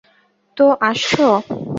তো, আসছো?